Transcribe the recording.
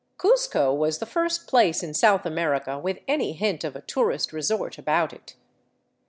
Cuzco was the first place in South America with any hint of a tourist resort about it.